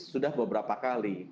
sudah beberapa kali